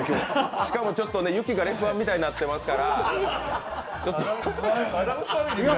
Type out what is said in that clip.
しかもちょっと雪がレフ板みたいになってますから。